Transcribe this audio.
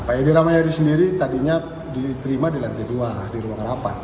pak edi rahmayadi sendiri tadinya diterima di lantai dua di ruang rapat